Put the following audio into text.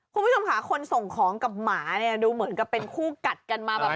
คุณผู้ชมค่ะคนส่งของกับหมาเนี่ยดูเหมือนกับเป็นคู่กัดกันมาแบบ